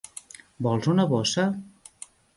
Vols una bossa?